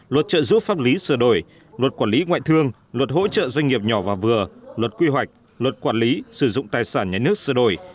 luật trợ giúp pháp lý sửa đổi luật quản lý ngoại thương luật hỗ trợ doanh nghiệp nhỏ và vừa luật quy hoạch luật quản lý sử dụng tài sản nhà nước sửa đổi